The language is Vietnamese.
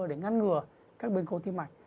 để ngăn ngừa các bên cầu tim mạch